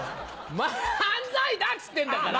漫才だっつってんだから！